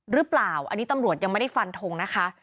หรือเปล่าอันนี้ตำรวจยังไม่ได้ฟันทงนะคะ